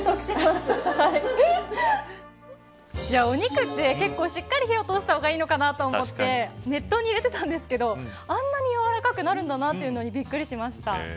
お肉って結構しっかり火を通した方がいいのかなと思って熱湯に入れてたんですけどあんなにやわらかくなるんだなってびっくりしました。